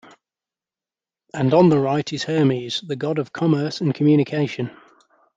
And on the right is Hermes the god of commerce and communication.